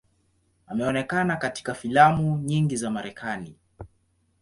Ameonekana katika filamu nyingi za Marekani.